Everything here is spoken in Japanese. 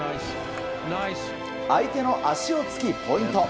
相手の足を突き、ポイント。